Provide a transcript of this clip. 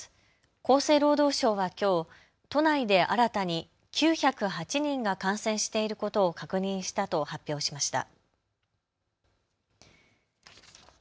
厚生労働省はきょう都内で新たに９０８人が感染していることを確認したと発表しました。